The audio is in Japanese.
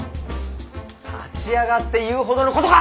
立ち上がって言うほどのことか！